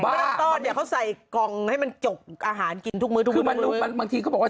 ไม่ต้องตอนเขาใส่กองให้มันจกอาหารกินทุกมื้อทุกมือคือมันรู้มันบางทีเขาบอกว่า